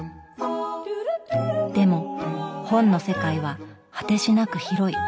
でも本の世界は果てしなく広い。